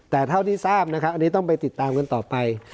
แต่เท่าที่ทราบนะครับอันนี้ต้องไปติดตามกันต่อไป